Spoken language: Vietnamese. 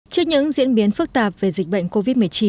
trước những diễn biến phức tạp về dịch bệnh covid một mươi chín